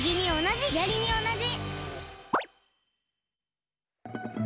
ひだりにおなじ！